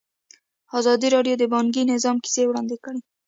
ازادي راډیو د بانکي نظام کیسې وړاندې کړي.